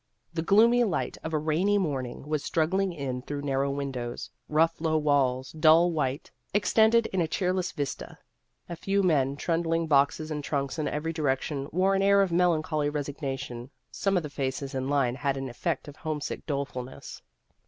The gloomy light of a rainy morning was struggling in through narrow windows ; rough low walls, dull white, extended in a cheerless vista ; a few men, trundling boxes and trunks in every direction, wore an air of melancholy resignation ; some of the faces in line had an effect of homesick dolefulness.